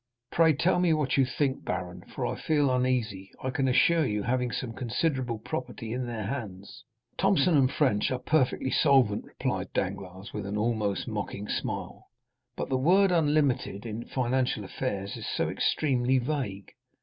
Pray tell me what you think, baron, for I feel uneasy, I can assure you, having some considerable property in their hands." "Thomson & French are perfectly solvent," replied Danglars, with an almost mocking smile; "but the word unlimited, in financial affairs, is so extremely vague."